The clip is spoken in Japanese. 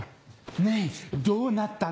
ねぇどうなったの？